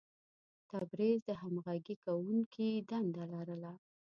تبریز د همغږي کوونکي دنده لرله.